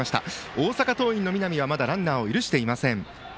大阪桐蔭の南はまだランナーを許していません。